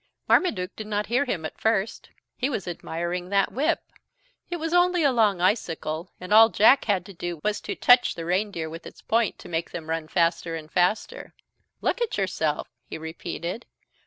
Marmaduke did not hear him at first. He was admiring that whip. It was only a long icicle, and all Jack had to do was to touch the reindeer with its point to make them run faster and faster. "Look at yourself," he repeated.